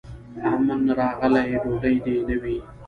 امن راغلی ډوډۍ دي نه وي